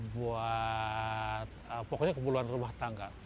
buat pokoknya keperluan rumah tangga